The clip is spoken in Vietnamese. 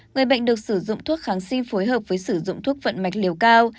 người bệnh được sử dụng thuốc kháng sinh phối hợp với sử dụng thuốc vận mạch liều cao